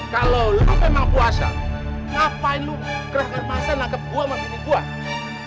kalau lo memang puasa ngapain lo keras kerasa nangkep gue sama pimpin gue